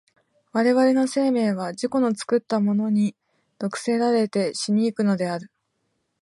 我々の生命は自己の作ったものに毒せられて死に行くのである。